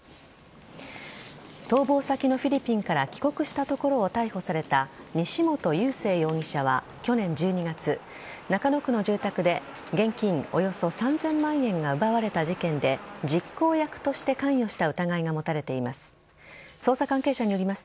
逃亡先のフィリピンから帰国したところを逮捕された西本佑聖容疑者は去年１２月中野区の住宅で現金およそ３０００万円が奪われた事件で実行役として関与した疑いが持たれています。